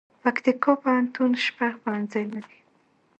پکتيکا پوهنتون شپږ پوهنځي لري